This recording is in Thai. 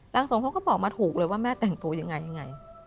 ร่างทรงบอกมาถูกเลยว่าแม่แต่งตัวยังไง